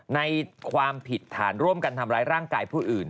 ในความผิดฐานร่วมกันทำร้ายร่างกายผู้อื่น